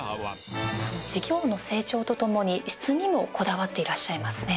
事業の成長とともに質にもこだわっていらっしゃいますね。